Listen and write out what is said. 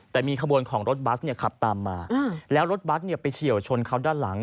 แต่มีขบวนของรถบัสเนี่ยขับตามมาแล้วรถบัสเนี่ยไปเฉียวชนเขาด้านหลัง